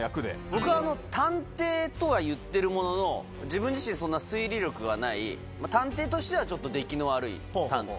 僕は探偵とはいってるものの、自分自身、そんな推理力がない探偵としてはちょっと出来の悪い探偵。